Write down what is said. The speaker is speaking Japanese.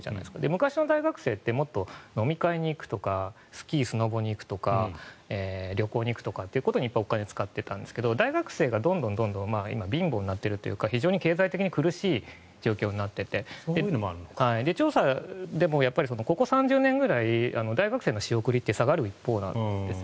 昔の大学生って飲み会とかスキー、スノボに行くとか旅行に行くとか、そういうことにお金を使っていたんですが大学生がどんどん貧乏になっているというか非常に経済的に苦しい状況になっていて調査でもここ３０年くらい大学生の仕送りって下がる一方なんです。